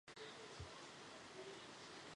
Habita en Tenasserim, Malaya, Borneo, Sumatra y Java.